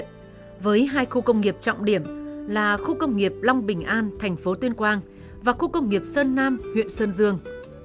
với hai khu công nghiệp trọng điểm là khu công nghiệp long bình an thành phố tuyên quang và khu công nghiệp sơn nam huyện sơn dương